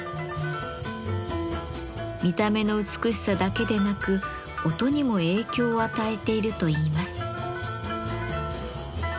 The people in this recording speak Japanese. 見た目の美しさだけでなく音にも影響を与えているといいます。